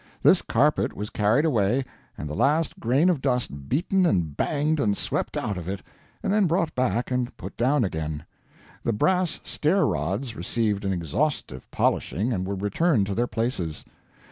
This carpet was carried away and the last grain of dust beaten and banged and swept out of it; then brought back and put down again. The brass stair rods received an exhaustive polishing and were returned to their places.